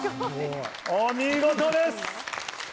お見事です！